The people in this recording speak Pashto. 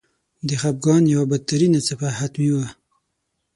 د خپګان یوه بدترینه څپه حتمي وه.